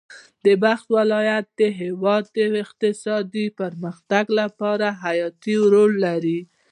بلخ ولایت د هېواد د اقتصادي پرمختګ لپاره حیاتي رول لري.